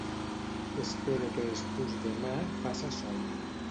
Espere que despús demà faça sol.